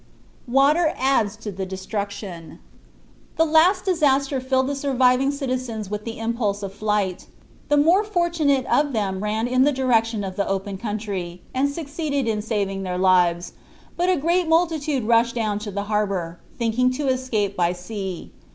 WATER ADDS TO THE DESTRUCTION The last disaster filled the surviving citizens with the impulse of flight. The more fortunate of them ran in the direction of the open country, and succeeded in saving their lives; but a great multitude rushed down to the harbor, thinking to escape by sea.